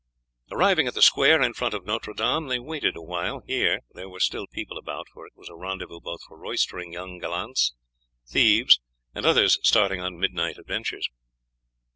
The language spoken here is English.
Arriving at the square in front of Notre Dame they waited awhile. Here there were still people about, for it was a rendezvous both for roistering young gallants, thieves, and others starting on midnight adventures.